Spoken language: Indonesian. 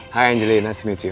hai angelie senang bertemu